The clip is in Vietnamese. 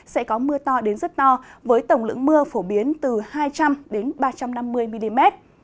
sẽ có mưa to đến rất to với tổng lượng mưa phổ biến từ hai trăm linh ba trăm năm mươi mm